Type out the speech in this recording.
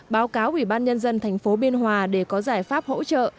báo cáo ủy ban nhân dân thành phố biên hòa để có giải pháp hỗ trợ